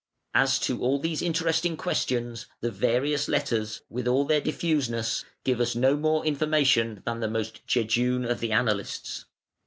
As to all these interesting questions the "Various Letters", with all their diffuseness, give us no more information than the most jejune of the annalists.